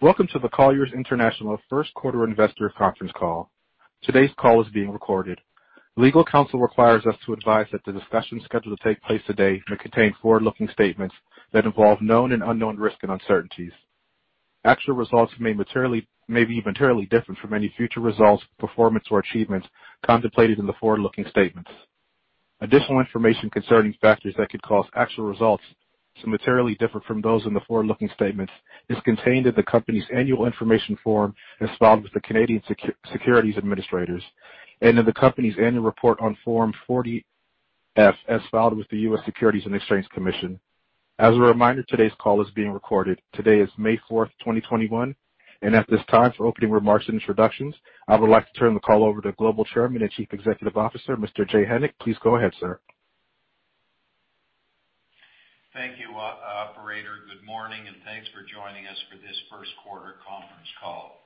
Welcome to the Colliers International first quarter investor conference call. Today's call is being recorded. Legal counsel requires us to advise that the discussion scheduled to take place today may contain forward-looking statements that involve known and unknown risks and uncertainties. Actual results may be materially different from any future results, performance, or achievements contemplated in the forward-looking statements. Additional information concerning factors that could cause actual results to materially differ from those in the forward-looking statements is contained in the company's annual information form as filed with the Canadian Securities Administrators and in the company's annual report on Form 40-F as filed with the U.S. Securities and Exchange Commission. As a reminder, today's call is being recorded. Today is May 4th, 2021, and at this time, for opening remarks and introductions, I would like to turn the call over to Global Chairman and Chief Executive Officer, Mr. Jay Hennick. Please go ahead, sir. Thank you, operator. Good morning. Thanks for joining us for this first quarter conference call.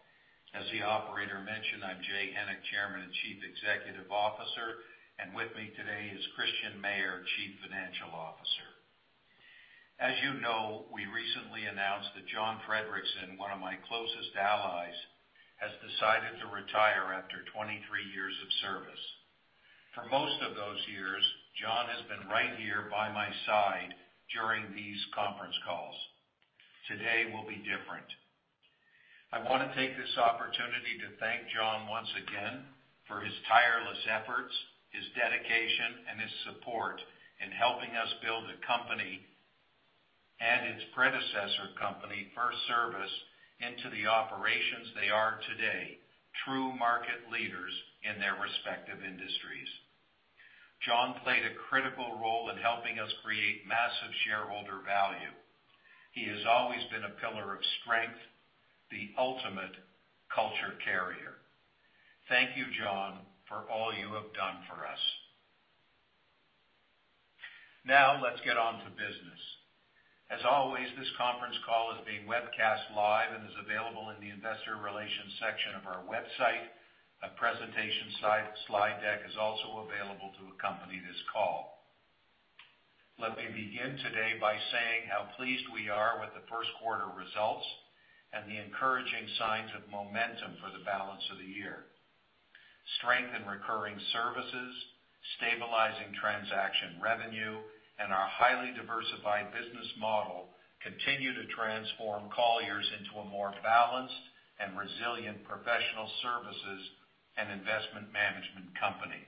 As the operator mentioned, I'm Jay Hennick, Chairman and Chief Executive Officer. With me today is Christian Mayer, Chief Financial Officer. As you know, we recently announced that John Friedrichsen, one of my closest allies, has decided to retire after 23 years of service. For most of those years, John has been right here by my side during these conference calls. Today will be different. I want to take this opportunity to thank John once again for his tireless efforts, his dedication, and his support in helping us build a company and its predecessor company, FirstService, into the operations they are today, true market leaders in their respective industries. John played a critical role in helping us create massive shareholder value. He has always been a pillar of strength, the ultimate culture carrier. Thank you, John, for all you have done for us. Now, let's get on to business. As always, this conference call is being webcast live and is available in the Investor Relations section of our website. A presentation slide deck is also available to accompany this call. Let me begin today by saying how pleased we are with the first quarter results and the encouraging signs of momentum for the balance of the year. Strength in recurring services, stabilizing transaction revenue, and our highly diversified business model continue to transform Colliers into a more balanced and resilient professional services and investment management company.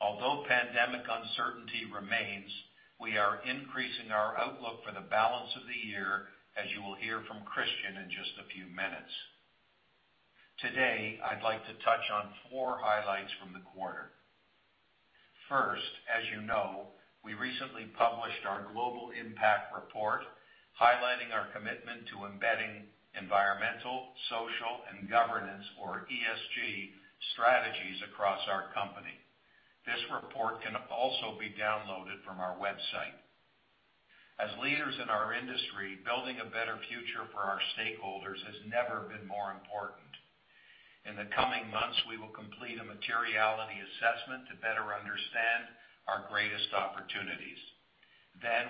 Although pandemic uncertainty remains, we are increasing our outlook for the balance of the year, as you will hear from Christian in just a few minutes. Today, I'd like to touch on four highlights from the quarter. First, as you know, we recently published our global impact report highlighting our commitment to embedding environmental, social, and governance, or ESG, strategies across our company. This report can also be downloaded from our website. As leaders in our industry, building a better future for our stakeholders has never been more important. In the coming months, we will complete a materiality assessment to better understand our greatest opportunities.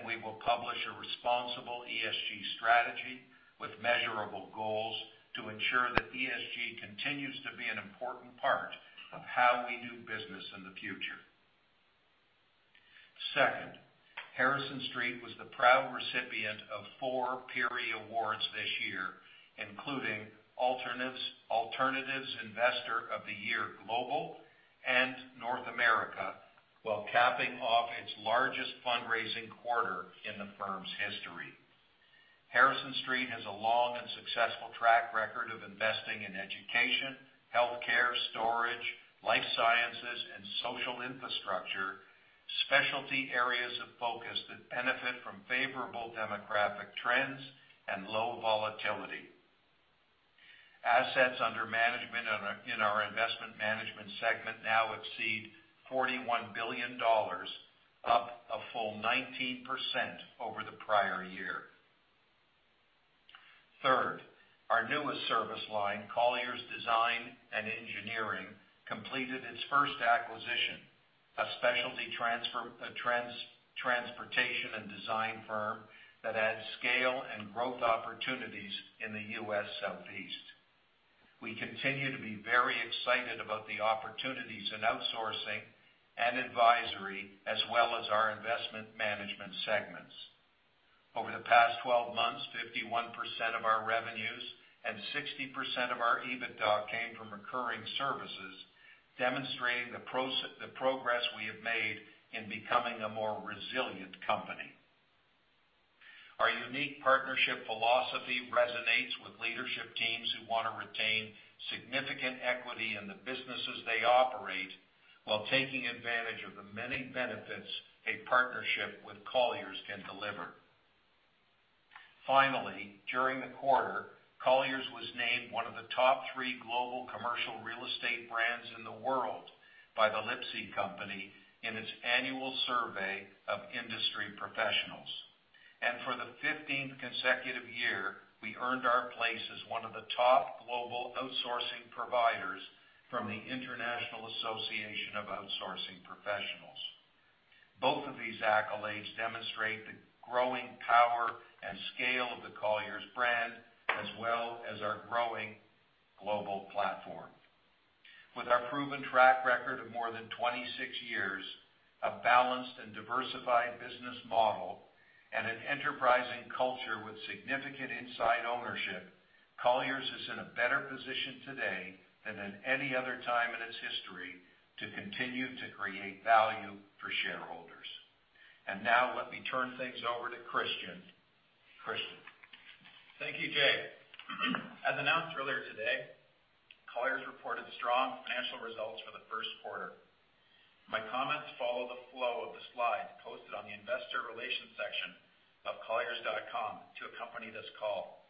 We will publish a responsible ESG strategy with measurable goals to ensure that ESG continues to be an important part of how we do business in the future. Second, Harrison Street was the proud recipient of four PERE Awards this year, including Alternatives Investor of the Year Global and North America, while capping off its largest fundraising quarter in the firm's history. Harrison Street has a long and successful track record of investing in education, healthcare, storage, life sciences, and social infrastructure, specialty areas of focus that benefit from favorable demographic trends and low volatility. Assets under management in our investment management segment now exceed $41 billion, up a full 19% over the prior year. Third, our newest service line, Colliers Design & Engineering, completed its first acquisition, a specialty transportation and design firm that adds scale and growth opportunities in the U.S. Southeast. We continue to be very excited about the opportunities in outsourcing and advisory, as well as our investment management segments. Over the past 12 months, 51% of our revenues and 60% of our EBITDA came from recurring services, demonstrating the progress we have made in becoming a more resilient company. Our unique partnership philosophy resonates with leadership teams who want to retain significant equity in the businesses they operate while taking advantage of the many benefits a partnership with Colliers can deliver. Finally, during the quarter, Colliers was named one of the top three global commercial real estate brands in the world by The Lipsey Company in its annual survey of industry professionals. For the 15th consecutive year, we earned our place as one of the top global outsourcing providers from the International Association of Outsourcing Professionals. Both of these accolades demonstrate the growing power and scale of the Colliers brand, as well as our growing global platform. With our proven track record of more than 26 years, a balanced and diversified business model, and an enterprising culture with significant inside ownership, Colliers is in a better position today than at any other time in its history to continue to create value for shareholders. Now let me turn things over to Christian. Christian. Thank you, Jay. As announced earlier today, Colliers reported strong financial results for the first quarter. My comments follow the flow of the slides posted on the investor relations section of colliers.com to accompany this call.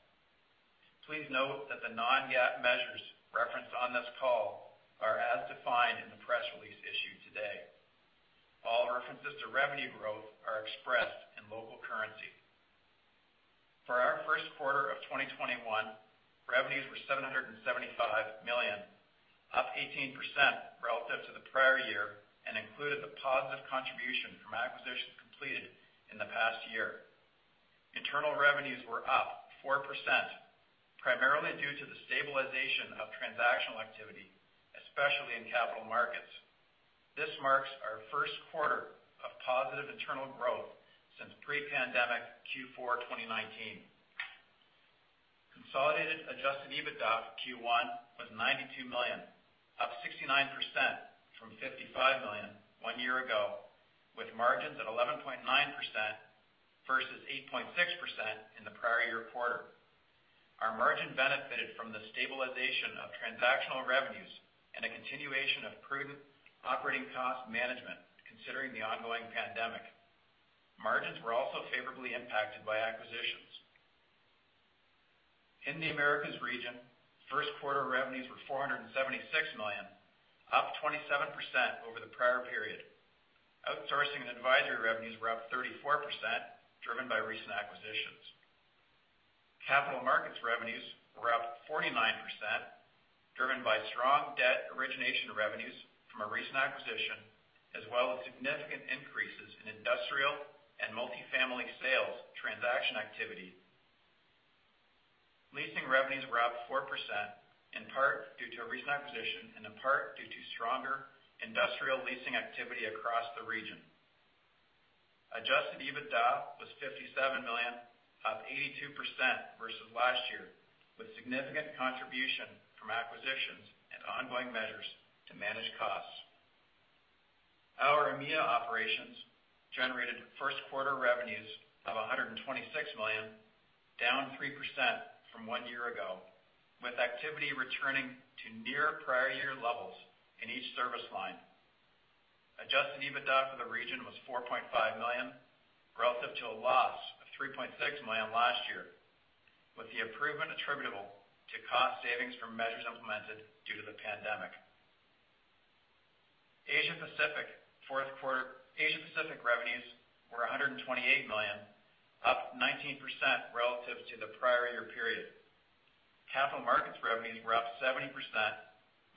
Please note that the non-GAAP measures referenced on this call are as defined in the press release issued today. All references to revenue growth are expressed in local currency. For our first quarter of 2021, revenues were $775 million, up 18% relative to the prior year, and included the positive contribution from acquisitions completed in the past year. Internal revenues were up 4%, primarily due to the stabilization of transactional activity, especially in capital markets. This marks our first quarter of positive internal growth since pre-pandemic Q4 2019. Consolidated adjusted EBITDA for Q1 was $92 million, up 69% from $55 million one year ago, with margins at 11.9% versus 8.6% in the prior year quarter. Our margin benefited from the stabilization of transactional revenues and a continuation of prudent operating cost management, considering the ongoing pandemic. Margins were also favorably impacted by acquisitions. In the Americas region, first quarter revenues were $476 million, up 27% over the prior period. Outsourcing and advisory revenues were up 34%, driven by recent acquisitions. Capital markets revenues were up 49%, driven by strong debt origination revenues from a recent acquisition, as well as significant increases in industrial and multifamily sales transaction activity. Leasing revenues were up 4%, in part due to a recent acquisition and in part due to stronger industrial leasing activity across the region. Adjusted EBITDA was $57 million, up 82% versus last year, with significant contribution from acquisitions and ongoing measures to manage costs. Our EMEA operations generated first quarter revenues of $126 million, down 3% from one year ago, with activity returning to near prior year levels in each service line. Adjusted EBITDA for the region was $4.5 million relative to a loss of $3.6 million last year, with the improvement attributable to cost savings from measures implemented due to the pandemic. Asia Pacific revenues were $128 million, up 19% relative to the prior year period. Capital markets revenues were up 70%,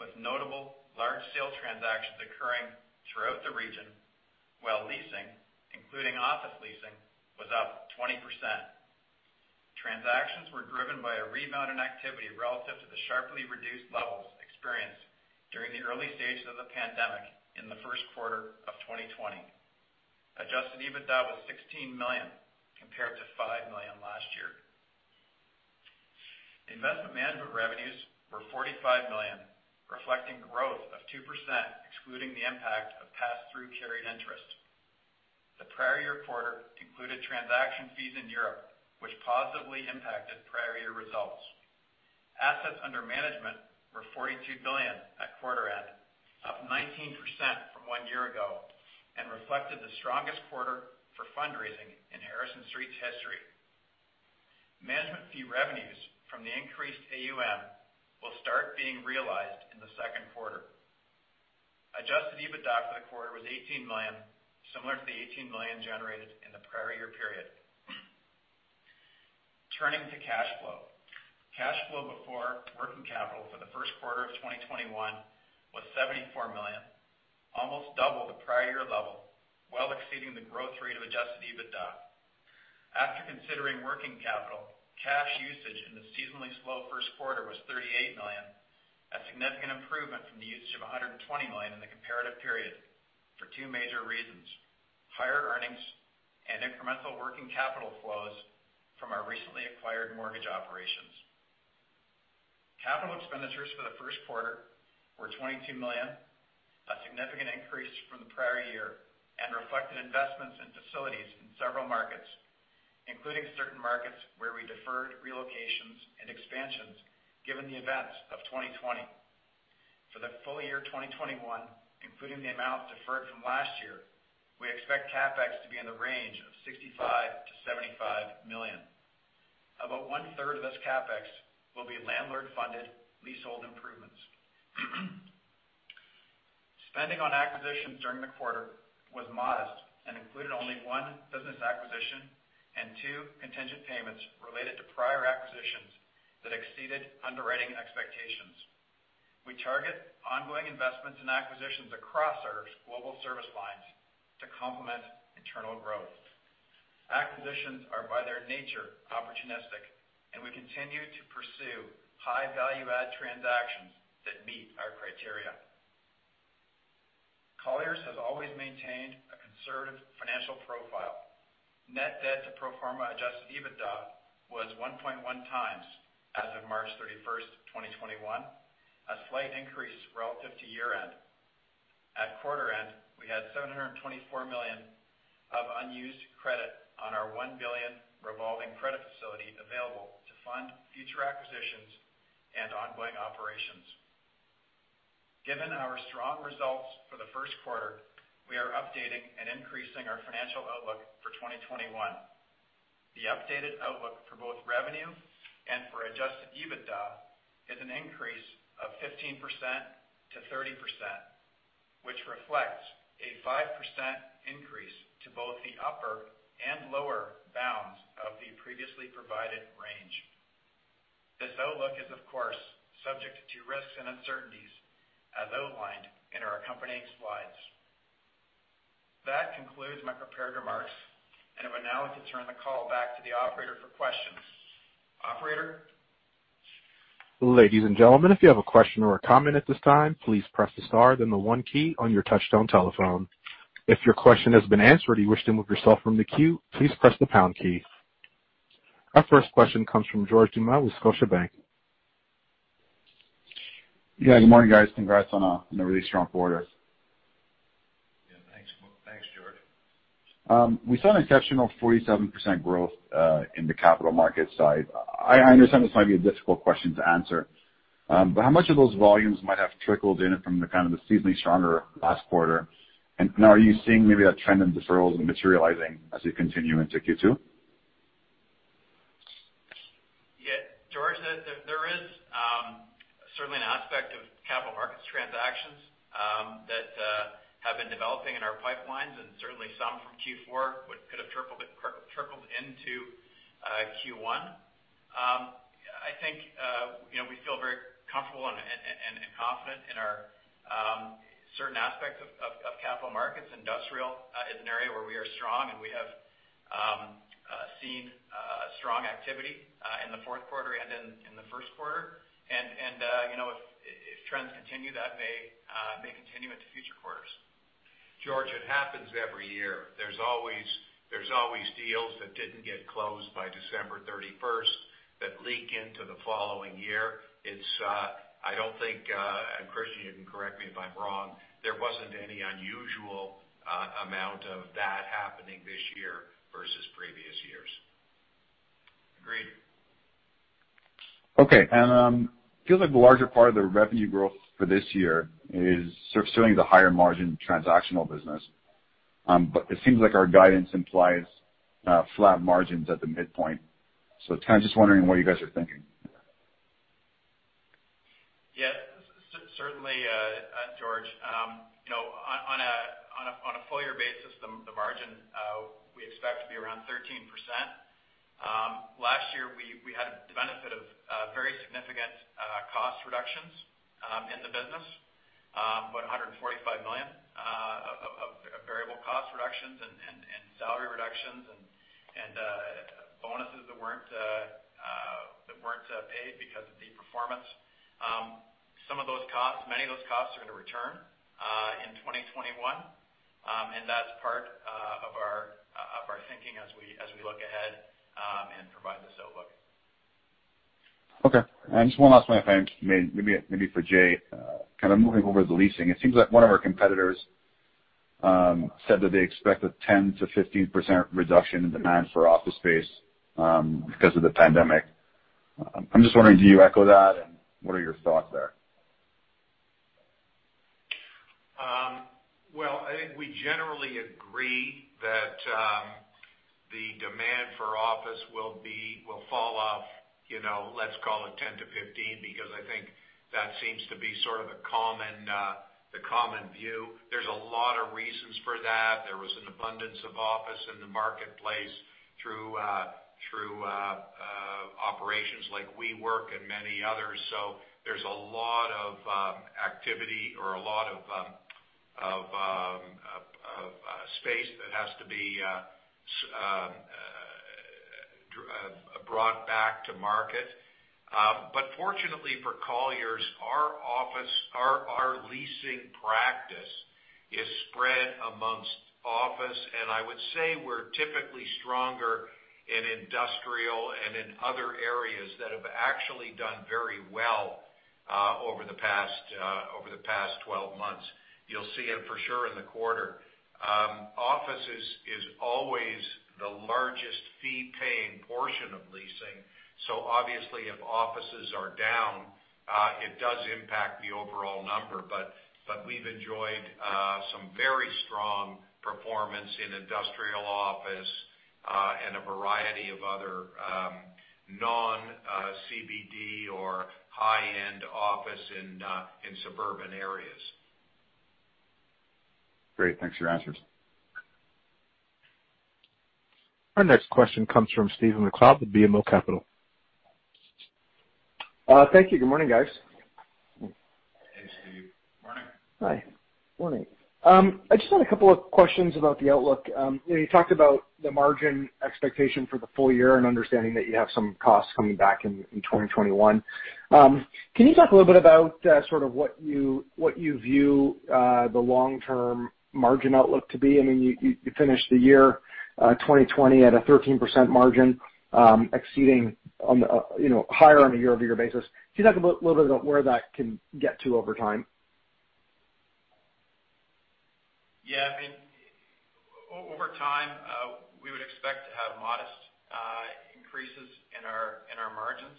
with notable large sale transactions occurring throughout the region, while leasing, including office leasing, was up 20%. Transactions were driven by a rebound in activity relative to the sharply reduced levels experienced during the early stages of the pandemic in the first quarter of 2020. Adjusted EBITDA was $16 million, compared to $5 million last year. Investment management revenues were $45 million, reflecting growth of 2%, excluding the impact of pass-through carried interest. The prior year quarter included transaction fees in Europe, which positively impacted prior year results. Assets under management were $42 billion at quarter end, up 19% from one year ago, and reflected the strongest quarter for fundraising in Harrison Street's history. Management fee revenues from the increased AUM will start being realized in the second quarter. Adjusted EBITDA for the quarter was $18 million, similar to the $18 million generated in the prior year period. Turning to cash flow. Cash flow before working capital for the first quarter of 2021 was $74 million, almost double the prior year level, well exceeding the growth rate of adjusted EBITDA. After considering working capital, cash usage in the seasonally slow first quarter was $38 million, a significant improvement from the usage of $120 million in the comparative period for two major reasons: higher earnings and incremental working capital flows from our recently acquired mortgage operations. Capital expenditures for the first quarter were $22 million, a significant increase from the prior year, and reflected investments in facilities in several markets, including certain markets where we deferred relocations and expansions given the events of 2020. For the full year 2021, including the amount deferred from last year, we expect CapEx to be in the range of $65 million-$75 million. About 1/3 of this CapEx will be landlord-funded leasehold improvements. Spending on acquisitions during the quarter was modest and included only one business acquisition and two contingent payments related to prior acquisitions that exceeded underwriting expectations. We target ongoing investments in acquisitions across our global service lines to complement internal growth. Acquisitions are, by their nature, opportunistic, and we continue to pursue high value-add transactions that meet our criteria. Colliers has always maintained a conservative financial profile. Net debt to pro forma adjusted EBITDA was 1.1x as of March 31st, 2021, a slight increase relative to year-end. At quarter end, we had $724 million of unused credit on our $1 billion revolving credit facility available to fund future acquisitions and ongoing operations. Given our strong results for the first quarter, we are updating and increasing our financial outlook for 2021. The updated outlook for both revenue and for adjusted EBITDA is an increase of 15%-30%, which reflects a 5% increase to both the upper and lower bounds of the previously provided range. This outlook is, of course, subject to risks and uncertainties as outlined in our accompanying slides. That concludes my prepared remarks, and I would now like to turn the call back to the operator for questions. Operator? Ladies and gentlemen, if you have a comment or question at this time, please press star, then the number one key on your touch-tone telephone. If your question has been answered and you wish to remove yourself from the queue, please press the pound key. Our first question comes from George Doumet with Scotiabank. Yeah. Good morning, guys. Congrats on a really strong quarter. Yeah, thanks, George. We saw an exceptional 47% growth in the capital markets side. I understand this might be a difficult question to answer, but how much of those volumes might have trickled in from the kind of the seasonally stronger last quarter? Now are you seeing maybe a trend in deferrals materializing as you continue into Q2? Yeah, George, there is certainly an aspect of capital markets transactions that have been developing in our pipelines, and certainly some from Q4 could have trickled into Q1. I think we feel very comfortable and confident in our certain aspects of capital markets. Industrial is an area where we are strong, and we have seen strong activity in the fourth quarter and in the first quarter. If trends continue, that may continue into future quarters. George, it happens every year. There's always deals that didn't get closed by December 31st that leak into the following year. I don't think, and Christian Mayer, you can correct me if I'm wrong, there wasn't any unusual amount of that happening this year versus previous years. Agreed. Okay. It feels like the larger part of the revenue growth for this year is sort of skewing the higher margin transactional business. It seems like our guidance implies flat margins at the midpoint. kind of just wondering what you guys are thinking. Yeah. Certainly, George. On a full year basis, the margin we expect to be around 13%. Last year, we had the benefit of very significant cost reductions in the business, about $145 million of variable cost reductions and salary reductions and bonuses that weren't paid because of the performance. Some of those costs, many of those costs are going to return in 2021. That's part of our thinking as we look ahead and provide this outlook. Okay. Just one last one, if I may, maybe for Jay. Kind of moving over to leasing, it seems like one of our competitors said that they expect a 10%-15% reduction in demand for office space because of the pandemic. I'm just wondering, do you echo that, and what are your thoughts there? Well, I think we generally agree that the demand for office will fall off, let's call it 10%-15%, because I think that seems to be sort of the common view. There's a lot of reasons for that. There was an abundance of office in the marketplace through operations like WeWork and many others. There's a lot of activity or a lot of space that has to be brought back to market. Fortunately for Colliers, our leasing practice is spread amongst office, and I would say we're typically stronger in industrial and in other areas that have actually done very well over the past 12 months. You'll see it for sure in the quarter. Offices is always the largest fee-paying portion of leasing. Obviously, if offices are down, it does impact the overall number. But we've enjoyed some very strong performance in industrial office, and a variety of other non-CBD or high-end office in suburban areas. Great. Thanks for your answers. Our next question comes from Stephen MacLeod with BMO Capital. Thank you. Good morning, guys. Hey, Steve. Morning. Hi. Morning. I just had a couple of questions about the outlook. You talked about the margin expectation for the full year and understanding that you have some costs coming back in 2021. Can you talk a little bit about sort of what you view the long-term margin outlook to be? You finished the year 2020 at a 13% margin, higher on a year-over-year basis. Can you talk a little bit about where that can get to over time? Yeah. Over time, we would expect to have modest increases in our margins.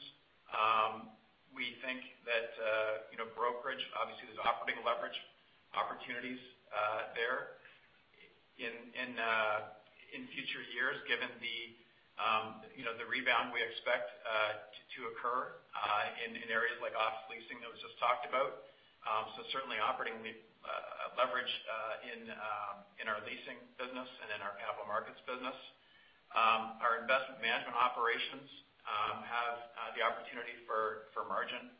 We think that brokerage, obviously, there's operating leverage opportunities there in future years, given the rebound we expect to occur in areas like office leasing that was just talked about. Certainly operating leverage in our leasing business and in our capital markets business. Our investment management operations have the opportunity for margin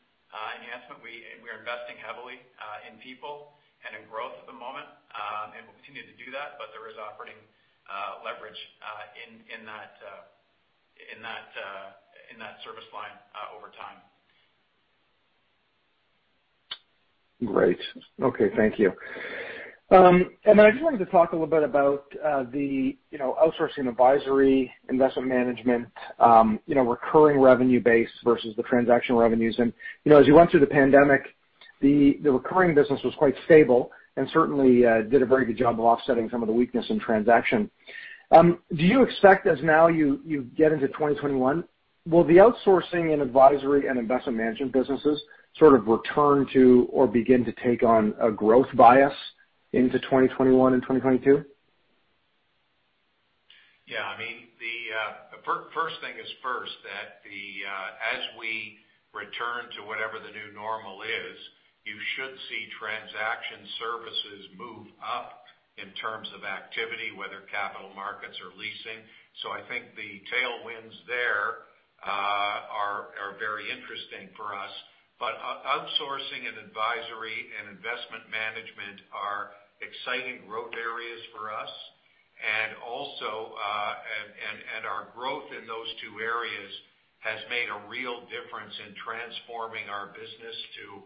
enhancement. We are investing heavily in people and in growth at the moment, and we'll continue to do that, but there is operating leverage in that service line over time. Great. Okay. Thank you. I just wanted to talk a little bit about the outsourcing advisory, investment management, recurring revenue base versus the transaction revenues. As you went through the pandemic, the recurring business was quite stable and certainly did a very good job of offsetting some of the weakness in transaction. Do you expect as now you get into 2021, will the outsourcing and advisory and investment management businesses sort of return to or begin to take on a growth bias into 2021 and 2022? Yeah. First thing is first, that as we return to whatever the new normal is, you should see transaction services move up in terms of activity, whether capital markets or leasing. I think the tailwinds there are very interesting for us. Outsourcing and advisory and investment management are exciting growth areas for us. Our growth in those two areas has made a real difference in transforming our business to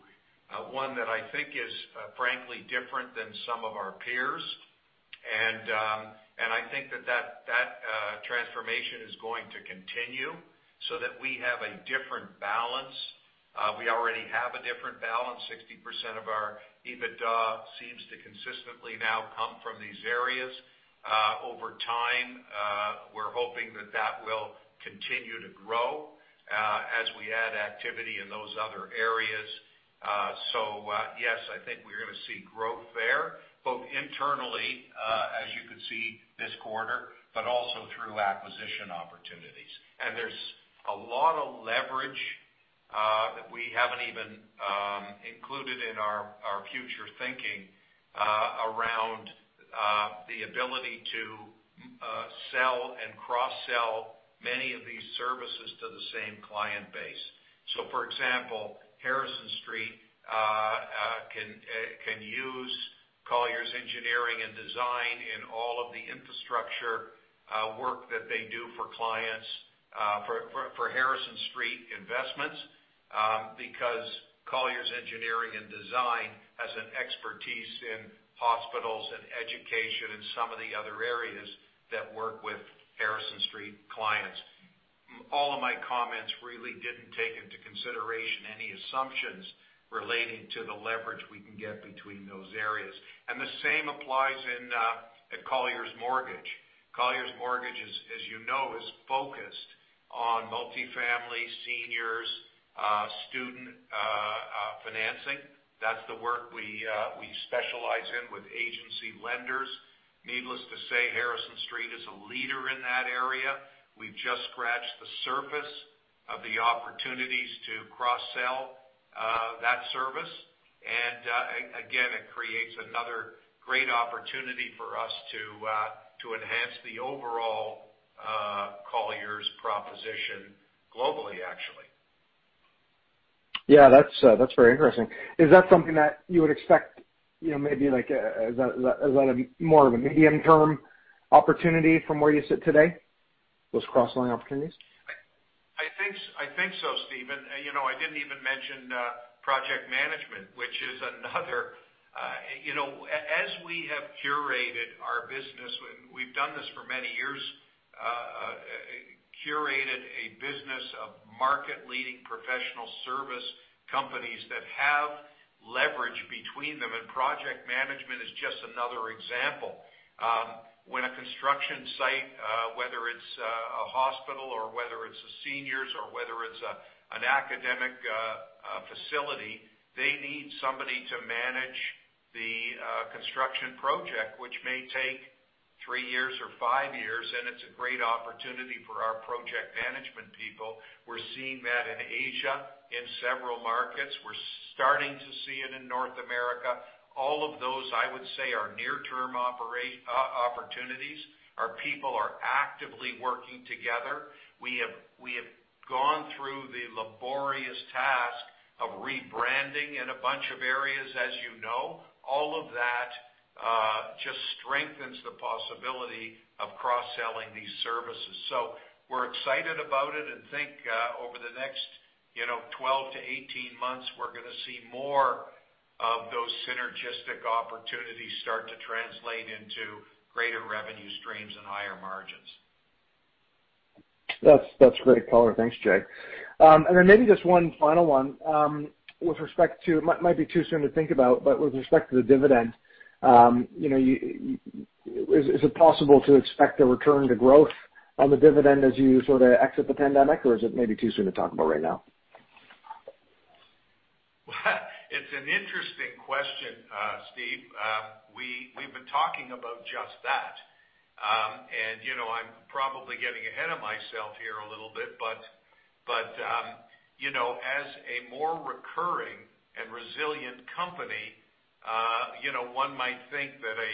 one that I think is frankly different than some of our peers. I think that transformation is going to continue so that we have a different balance. We already have a different balance. 60% of our EBITDA seems to consistently now come from these areas. Over time, we're hoping that that will continue to grow as we add activity in those other areas. Yes, I think we're going to see growth there, both internally, as you could see this quarter, but also through acquisition opportunities. There's a lot of leverage that we haven't even included in our future thinking around the ability to sell and cross-sell many of these services to the same client base. For example, Harrison Street can use Colliers Engineering & Design in all of the infrastructure work that they do for Harrison Street Investments because Colliers Engineering & Design has an expertise in hospitals and education and some of the other areas that work with Harrison Street clients. All of my comments really didn't take into consideration any assumptions relating to the leverage we can get between those areas. The same applies at Colliers Mortgage. Colliers Mortgage, as you know, is focused on multi-family, seniors, student financing. That's the work we specialize in with agency lenders. Needless to say, Harrison Street is a leader in that area. We've just scratched the surface of the opportunities to cross-sell that service. Again, it creates another great opportunity for us to enhance the overall Colliers proposition globally, actually. Yeah. That's very interesting. Is that something that you would expect, maybe is that more of a medium-term opportunity from where you sit today, those cross-selling opportunities? I think so, Stephen. I didn't even mention project management, which is another. We have curated our business, and we've done this for many years, curated a business of market-leading professional service companies that have leverage between them, and project management is just another example. When a construction site, whether it's a hospital or whether it's a seniors or whether it's an academic facility, they need somebody to manage A construction project which may take three years or five years, and it's a great opportunity for our project management people. We're seeing that in Asia, in several markets. We're starting to see it in North America. All of those, I would say, are near-term opportunities. Our people are actively working together. We have gone through the laborious task of rebranding in a bunch of areas as you know. All of that just strengthens the possibility of cross-selling these services. We're excited about it and think over the next 12-18 months, we're going to see more of those synergistic opportunities start to translate into greater revenue streams and higher margins. That's great color. Thanks, Jay. Then maybe just one final one. It might be too soon to think about, but with respect to the dividend, is it possible to expect a return to growth on the dividend as you sort of exit the pandemic, or is it maybe too soon to talk about right now? It's an interesting question, Stephen. We've been talking about just that. I'm probably getting ahead of myself here a little bit, but as a more recurring and resilient company, one might think that a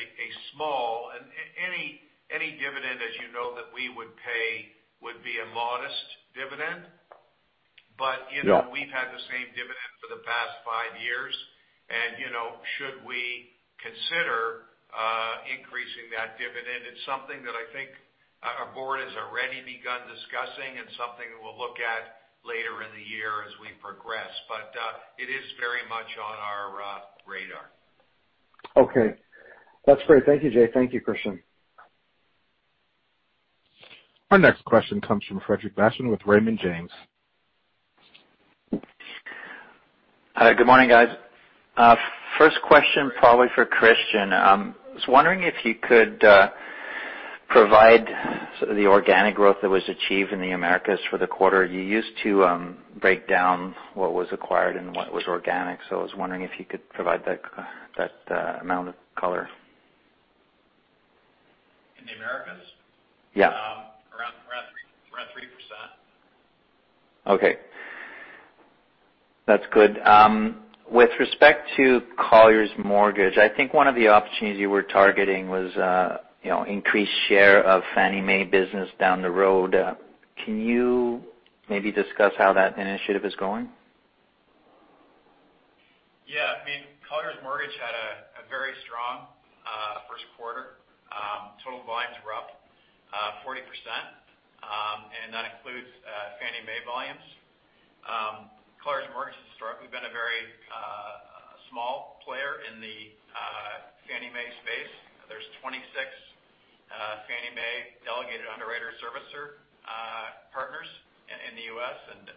small, any dividend, as you know, that we would pay would be a modest dividend. Yeah. We've had the same dividend for the past five years, and should we consider increasing that dividend? It's something that I think our board has already begun discussing and something we'll look at later in the year as we progress. It is very much on our radar. Okay. That's great. Thank you, Jay. Thank you, Christian. Our next question comes from Frederic Bastien with Raymond James. Hi. Good morning, guys. First question, probably for Christian. I was wondering if you could provide sort of the organic growth that was achieved in the Americas for the quarter. You used to break down what was acquired and what was organic. I was wondering if you could provide that amount of color. In the Americas? Yeah. Around 3%. Okay. That's good. With respect to Colliers Mortgage, I think one of the opportunities you were targeting was increased share of Fannie Mae business down the road. Can you maybe discuss how that initiative is going? Yeah. Colliers Mortgage had a very strong first quarter. Total volumes were up 40%, and that includes Fannie Mae volumes. Colliers Mortgage has historically been a very small player in the Fannie Mae space. There's 26 Fannie Mae delegated underwriter servicer partners in the U.S., and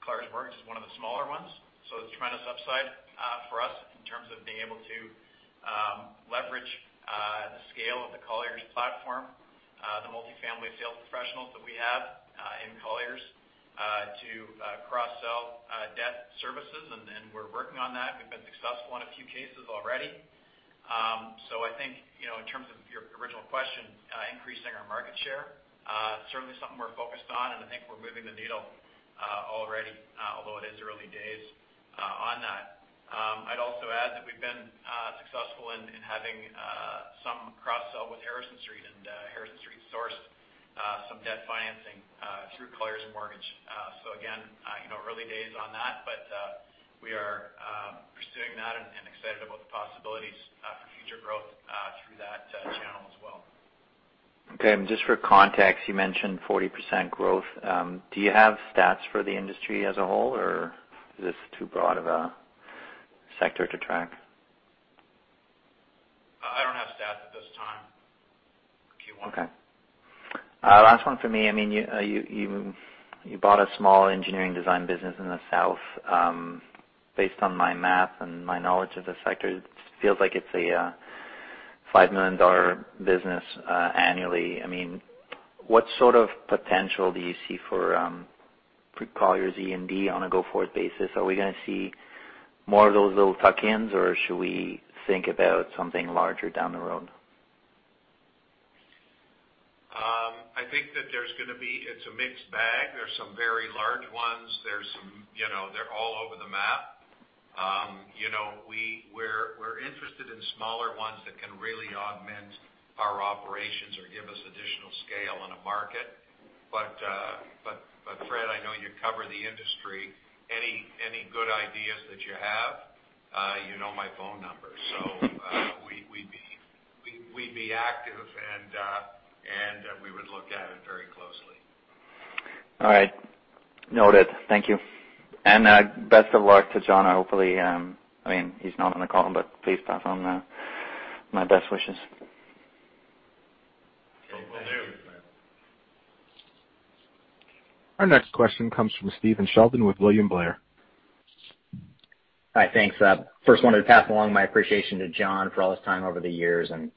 Colliers Mortgage is one of the smaller ones. There's tremendous upside for us in terms of being able to leverage the scale of the Colliers platform, the multifamily sales professionals that we have in Colliers to cross-sell debt services, and we're working on that. We've been successful in a few cases already. I think in terms of your original question, increasing our market share, certainly something we're focused on, and I think we're moving the needle already, although it is early days on that. I'd also add that we've been successful in having some cross-sell with Harrison Street, and Harrison Street sourced some debt financing through Colliers Mortgage. Again early days on that, but we are pursuing that and excited about the possibilities for future growth through that channel as well. Okay. Just for context, you mentioned 40% growth. Do you have stats for the industry as a whole, or is this too broad of a sector to track? I don't have stats at this time for Q1. Okay. Last one for me. You bought a small engineering design business in the South. Based on my math and my knowledge of the sector, it feels like it's a $5 million business annually. What sort of potential do you see for Colliers E&D on a go-forward basis? Are we going to see more of those little tuck-ins, or should we think about something larger down the road? I think that it's a mixed bag. There's some very large ones. They're all over the map. We're interested in smaller ones that can really augment our operations or give us additional scale in a market. Fred, I know you cover the industry. Any good ideas that you have, you know my phone number. We'd be active, and we would look at it very closely. All right. Noted. Thank you. Best of luck to John. Hopefully, he's not on the call, but please pass on my best wishes. Will do. Thanks. Our next question comes from Stephen Sheldon with William Blair. Hi, thanks. First wanted to pass along my appreciation to John for all his time over the years and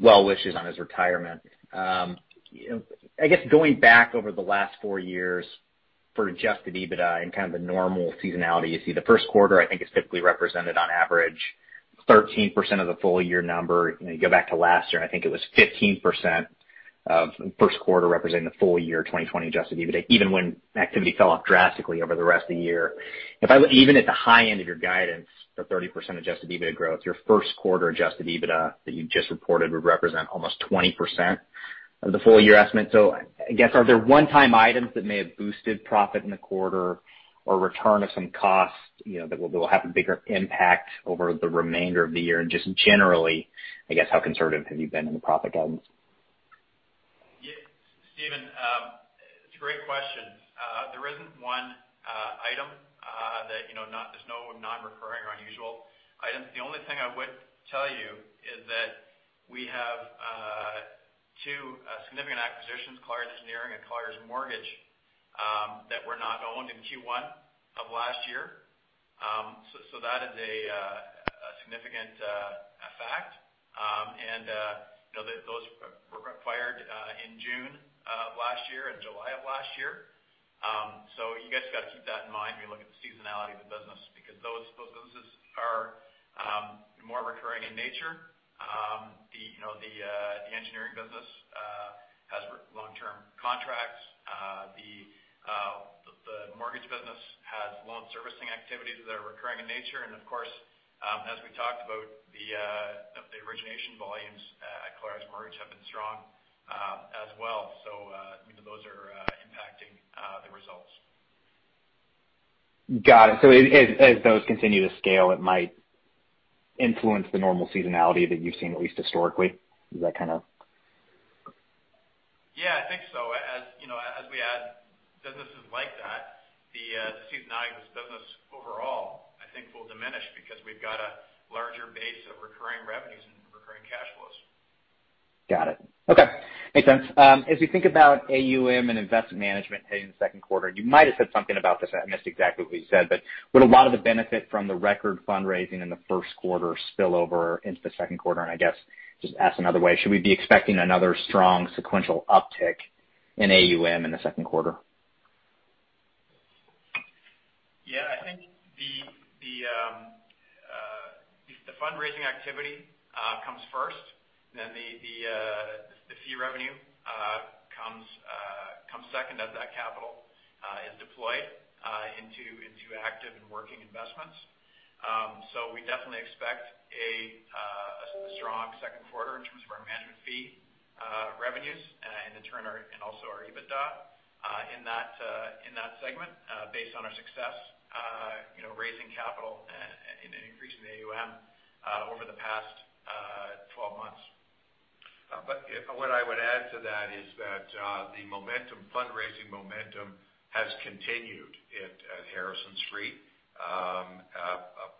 well wishes on his retirement. I guess going back over the last four years for adjusted EBITDA in kind of a normal seasonality you see the first quarter, I think is typically represented on average 13% of the full-year number. You go back to last year, I think it was 15% of first quarter representing the full-year 2020 adjusted EBITDA, even when activity fell off drastically over the rest of the year. Even at the high end of your guidance for 30% adjusted EBITDA growth, your first quarter adjusted EBITDA that you just reported would represent almost 20% of the full-year estimate. I guess, are there one-time items that may have boosted profit in the quarter or return of some cost, that will have a bigger impact over the remainder of the year? Just generally, I guess, how conservative have you been in the profit guidance? Yeah, Stephen, it's a great question. There isn't one item. There's no non-recurring or unusual items. The only thing I would tell you is that we have two significant acquisitions, Colliers Engineering and Colliers Mortgage, that were not owned in Q1 of last year. That is a significant fact. Those were acquired in June of last year and July of last year. You guys got to keep that in mind when you look at the seasonality of the business, because those businesses are more recurring in nature. The engineering business has long-term contracts. The mortgage business has loan servicing activities that are recurring in nature. Of course, as we talked about, the origination volumes at Colliers Mortgage have been strong as well. Those are impacting the results. Got it. As those continue to scale, it might influence the normal seasonality that you've seen, at least historically. Does that kind of? Yeah, I think so. As we add businesses like that, the seasonality of this business overall, I think, will diminish because we've got a larger base of recurring revenues and recurring cash flows. Got it. Okay. Makes sense. As we think about AUM and investment management paying the second quarter, you might have said something about this, I missed exactly what you said, but would a lot of the benefit from the record fundraising in the first quarter spill over into the second quarter? I guess, just ask another way, should we be expecting another strong sequential uptick in AUM in the second quarter? Yeah, I think the fundraising activity comes first, then the fee revenue comes second as that capital is deployed into active and working investments. We definitely expect a strong second quarter in terms of our management fee revenues, and also our EBITDA in that segment based on our success raising capital and an increase in AUM over the past 12 months. What I would add to that is that the fundraising momentum has continued at Harrison Street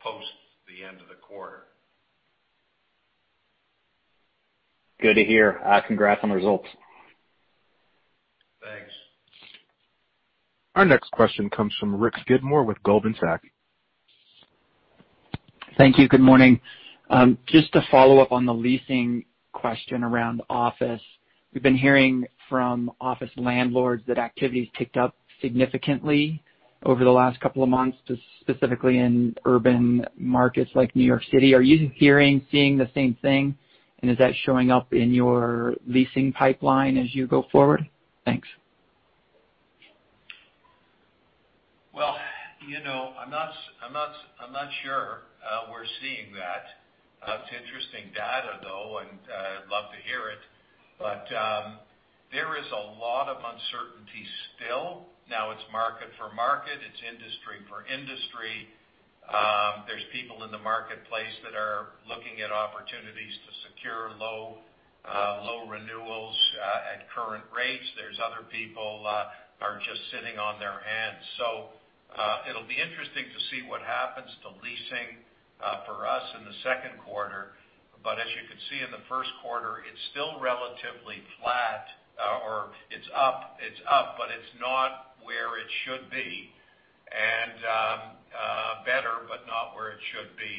post the end of the quarter. Good to hear. Congrats on the results. Thanks. Our next question comes from Rich Skidmore with Goldman Sachs. Thank you. Good morning. Just to follow up on the leasing question around office. We've been hearing from office landlords that activity's picked up significantly over the last couple of months, specifically in urban markets like New York City. Are you hearing, seeing the same thing? Is that showing up in your leasing pipeline as you go forward? Thanks. Well, I'm not sure we're seeing that. It's interesting data though, and I'd love to hear it. There is a lot of uncertainty still. It's market for market, it's industry for industry. There's people in the marketplace that are looking at opportunities to secure low renewals at current rates. There's other people are just sitting on their hands. It'll be interesting to see what happens to leasing for us in the second quarter. As you can see in the first quarter, it's still relatively flat, or it's up. It's not where it should be. Better, not where it should be.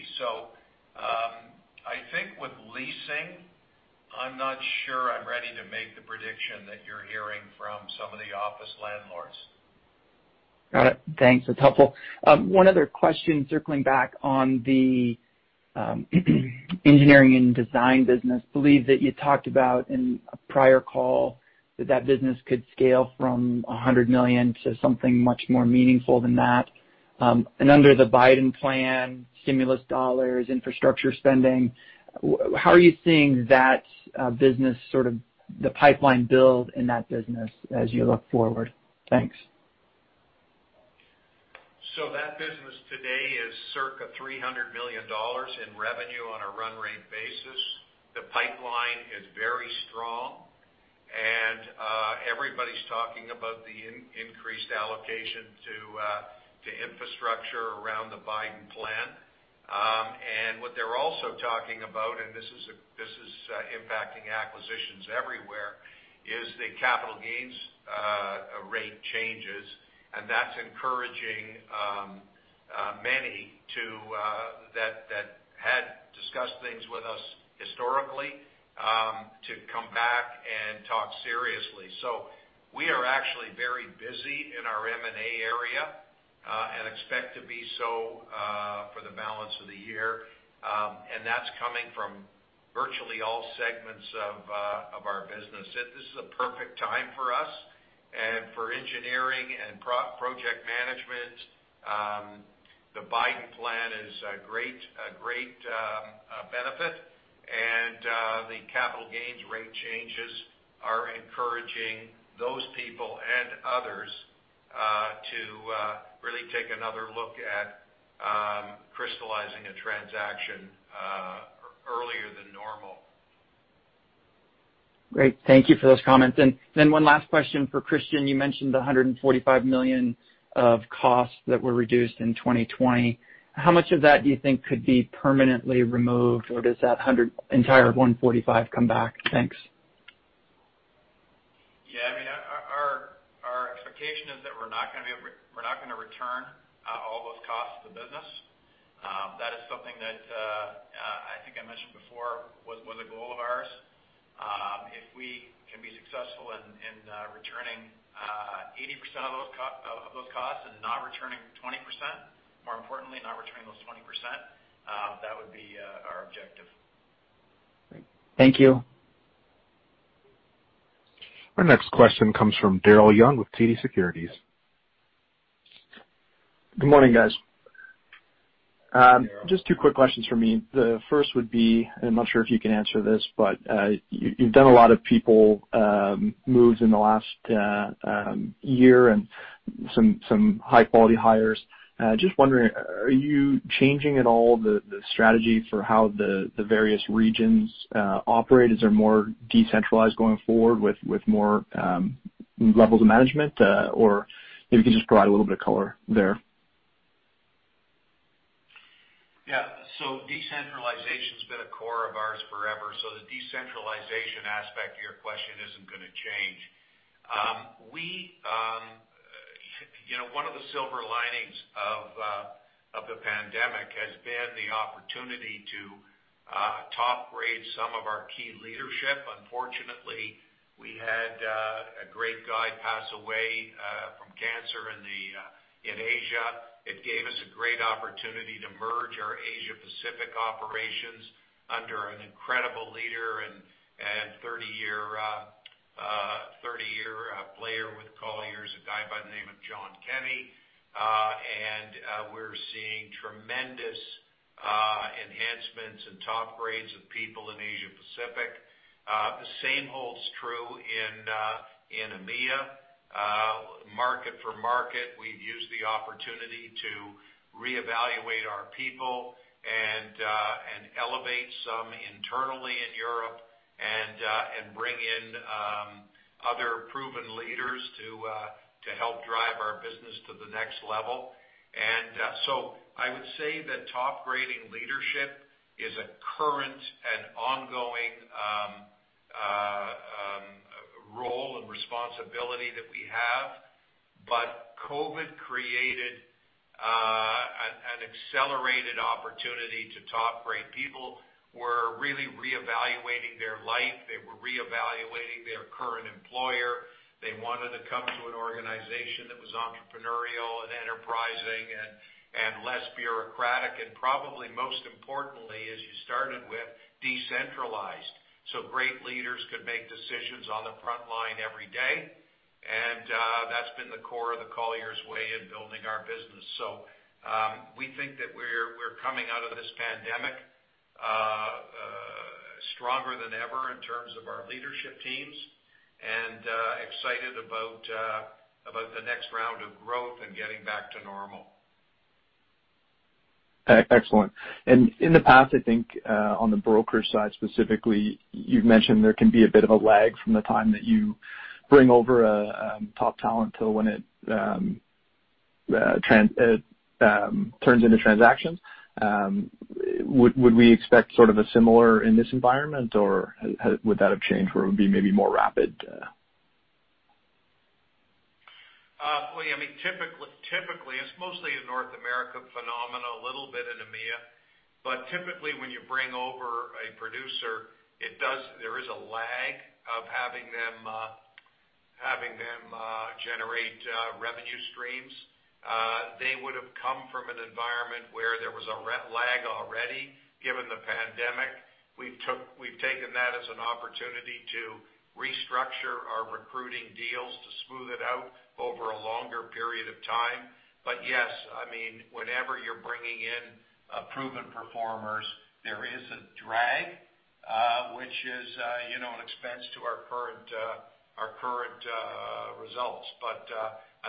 I think with leasing, I'm not sure I'm ready to make the prediction that you're hearing from some of the office landlords. Got it. Thanks. That's helpful. One other question, circling back on the engineering and design business. Believe that you talked about in a prior call that business could scale from $100 million to something much more meaningful than that. Under the Biden plan, stimulus dollars, infrastructure spending, how are you seeing that business sort of the pipeline build in that business as you look forward? Thanks. That business today is circa $300 million in revenue on a run rate basis. The pipeline is very strong. Everybody's talking about the increased allocation to infrastructure around the Biden plan. What they're also talking about, and this is impacting acquisitions everywhere, is the capital gains rate changes. That's encouraging many that had discussed things with us historically. To come back and talk seriously. We are actually very busy in our M&A area, and expect to be so for the balance of the year. That's coming from virtually all segments of our business. This is a perfect time for us and for engineering and project management. The Biden plan is a great benefit, and the capital gains rate changes are encouraging those people and others to really take another look at crystallizing a transaction earlier than normal. Great. Thank you for those comments. One last question for Christian. You mentioned the $145 million of costs that were reduced in 2020. How much of that do you think could be permanently removed? Or does that entire $145 million come back? Thanks. Yeah. Our expectation is that we're not going to return all those costs to the business. That is something that, I think I mentioned before, was a goal of ours. If we can be successful in returning 80% of those costs and not returning 20%, more importantly, not returning those 20%, that would be our objective. Great. Thank you. Our next question comes from Daryl Young with TD Securities. Good morning, guys. Daryl. Just two quick questions from me. The first would be, I'm not sure if you can answer this, but you've done a lot of people moves in the last year and some high-quality hires. Just wondering, are you changing at all the strategy for how the various regions operate? Is there more decentralized going forward with more levels of management? If you can just provide a little bit of color there. Yeah. decentralization's been a core of ours forever. The decentralization aspect of your question isn't going to change. One of the silver linings of the pandemic has been the opportunity to top-grade some of our key leadership. Unfortunately, we had a great guy pass away from cancer in Asia. It gave us a great opportunity to merge our Asia Pacific operations under an incredible leader and 30-year player with Colliers, a guy by the name of John Kenny. We're seeing tremendous enhancements and top grades of people in Asia Pacific. The same holds true in EMEA. Market for market, we've used the opportunity to reevaluate our people and elevate some internally in Europe and bring in other proven leaders to help drive our business to the next level. I would say that top grading leadership is a current and ongoing role and responsibility that we have. COVID created an accelerated opportunity to top grade. People were really reevaluating their life. They were reevaluating their current employer. They wanted to come to an organization that was entrepreneurial and enterprising and less bureaucratic, and probably most importantly, as you started with, decentralized, so great leaders could make decisions on the front line every day. That's been the core of the Colliers way in building our business. We think that we're coming out of this pandemic stronger than ever in terms of our leadership teams, and excited about the next round of growth and getting back to normal. Excellent. In the past, I think, on the broker side specifically, you've mentioned there can be a bit of a lag from the time that you bring over top talent till when it turns into transactions. Would we expect sort of a similar in this environment, or would that have changed where it would be maybe more rapid? Well, typically, it's mostly a North America phenomena, a little bit in EMEA. Typically, when you bring over a producer, there is a lag of having them generate revenue streams. They would've come from an environment where there was a lag already, given the pandemic. We've taken that as an opportunity to restructure our recruiting deals to smooth it out over a longer period of time. Yes, whenever you're bringing in proven performers, there is a drag, which is an expense to our current results, but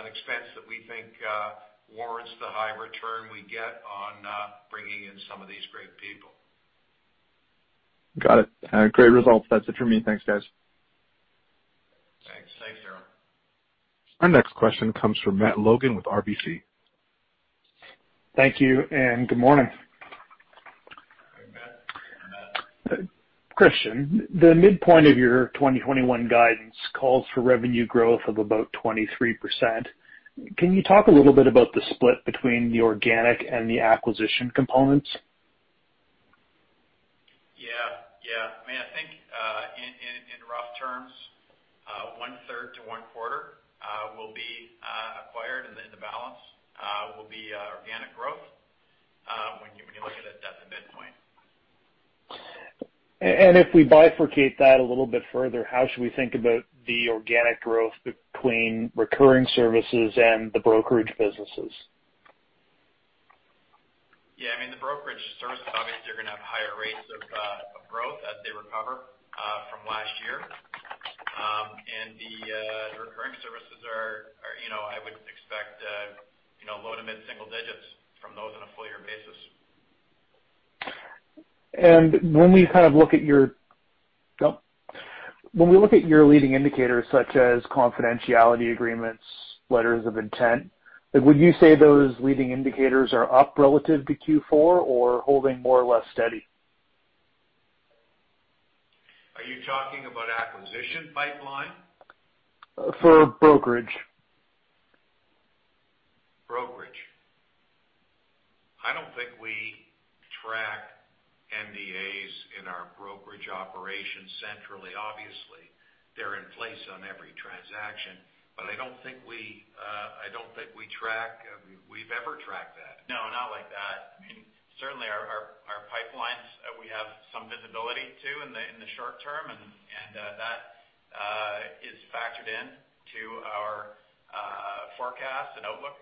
an expense that we think warrants the high return we get on bringing in some of these great people. Got it. Great results. That's it for me. Thanks, guys. Thanks. Thanks, Daryl. Our next question comes from Matt Logan with RBC. Thank you, and good morning. Hey, Matt. Christian, the midpoint of your 2021 guidance calls for revenue growth of about 23%. Can you talk a little bit about the split between the organic and the acquisition components? Yeah. I think in rough terms, one third to one quarter will be acquired and then the balance will be organic growth when you look at it at the midpoint. If we bifurcate that a little bit further, how should we think about the organic growth between recurring services and the brokerage businesses? Yeah. The brokerage services, obviously, are going to have higher rates of growth as they recover from last year. The recurring services are, I would expect, low to mid-single digits from those on a full year basis. When we look at your leading indicators such as confidentiality agreements, letters of intent, would you say those leading indicators are up relative to Q4 or holding more or less steady? Are you talking about acquisition pipeline? For brokerage. Brokerage. I don't think we track NDAs in our brokerage operations centrally. Obviously, they're in place on every transaction, but I don't think we've ever tracked that. No, not like that. Certainly our pipelines, we have some visibility too in the short term. That is factored in to our forecast and outlook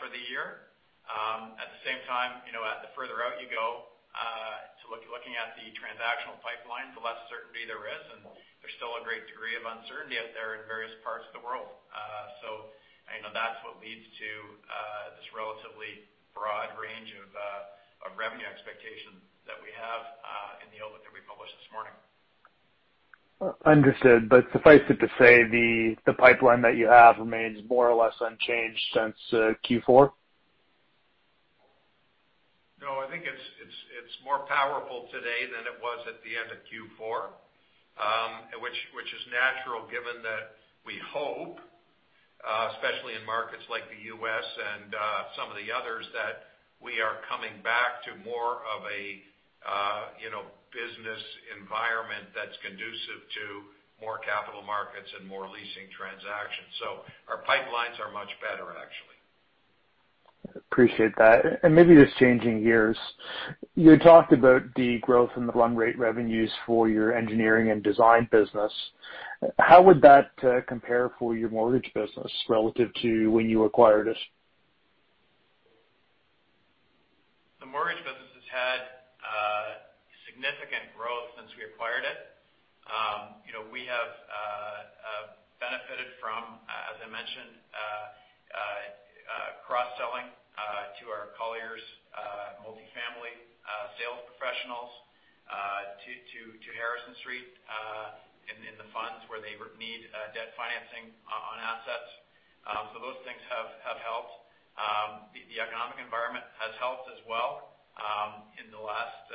for the year. At the same time, the further out you go to looking at the transactional pipeline, the less certainty there is. There's still a great degree of uncertainty out there in various parts of the world. That's what leads to this relatively broad range of revenue expectations that we have in the outlook that we published this morning. Understood. Suffice it to say, the pipeline that you have remains more or less unchanged since Q4? No, I think it's more powerful today than it was at the end of Q4. Which is natural given that we hope, especially in markets like the U.S. and some of the others, that we are coming back to more of a business environment that's conducive to more capital markets and more leasing transactions. So our pipelines are much better, actually. Appreciate that. Maybe this changing gears. You talked about the growth in the run rate revenues for your Engineering & Design business. How would that compare for your Mortgage business relative to when you acquired it? The Mortgage business has had significant growth since we acquired it. We have benefited from, as I mentioned, cross-selling to our Colliers multi-family sales professionals to Harrison Street in the funds where they need debt financing on assets. Those things have helped. The economic environment has helped as well. In the last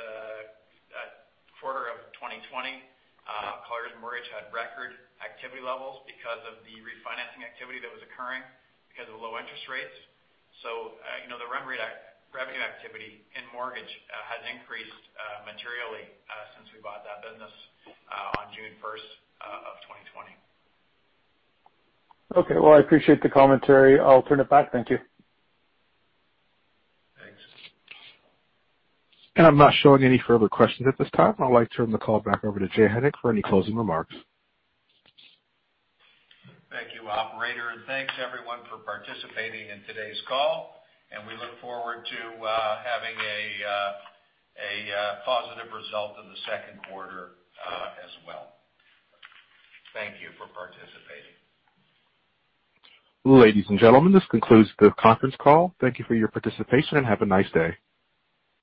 quarter of 2020, Colliers Mortgage had record activity levels because of the refinancing activity that was occurring because of low interest rates. The run rate revenue activity in mortgage has increased materially since we bought that business on June 1st of 2020. Okay. Well, I appreciate the commentary. I'll turn it back. Thank you. Thanks. I'm not showing any further questions at this time. I'd like to turn the call back over to Jay Hennick for any closing remarks. Thank you, operator, and thanks everyone for participating in today's call. We look forward to having a positive result in the second quarter as well. Thank you for participating. Ladies and gentlemen, this concludes the conference call. Thank you for your participation, and have a nice day.